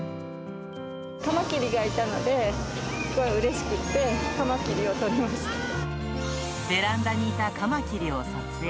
カマキリがいたので、すごいうれしくて、ベランダにいたカマキリを撮影。